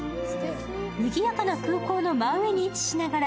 にぎやかな空港の真上に位置しながら、